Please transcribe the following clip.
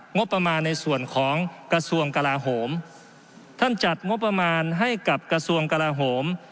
งบประมาณในส่วนของกระทรวงกลาโหมท่านจัดงบประมาณให้กับกระทรวงกลาโหม